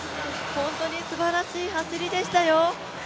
本当にすばらしい走りでしたよ。